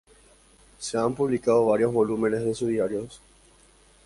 Se han publicado varios volúmenes de sus diarios.